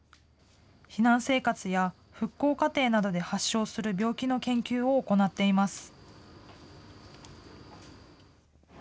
避難生活や復興過程などで発症する病気の研究を行っています。